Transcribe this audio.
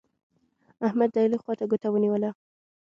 احمد؛ د علي خوا ته ګوته ونيول.